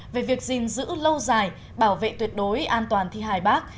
về việc gìn giữ lâu dài bảo vệ tuyệt đối an toàn thi hài bác